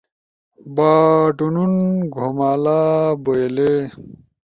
باٹونون، گھومالا، بوئلے